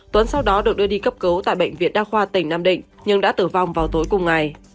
tuấn sau đó được đưa đi cấp cứu tại bệnh viện đa khoa tỉnh nam định nhưng đã tử vong vào tối cùng ngày